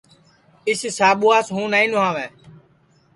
اِس ساٻواس ہوں نائی نھواوے